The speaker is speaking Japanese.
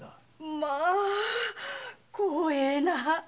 まあ光栄な。